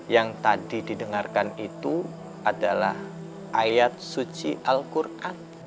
yang tadi didengarkan itu adalah ayat suci alquran